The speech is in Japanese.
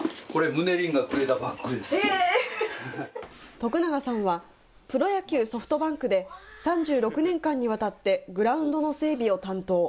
徳永さんは、プロ野球ソフトバンクで３６年間にわたってグラウンドの整備を担当。